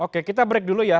oke kita break dulu ya